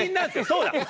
そうだ。